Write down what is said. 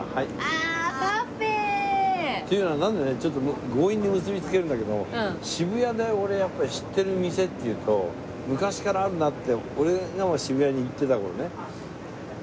ああパフェ！っていうのはなんでねちょっと強引に結びつけるんだけど渋谷で俺やっぱり知ってる店っていうと昔からあるなって俺が渋谷に行ってた頃ね。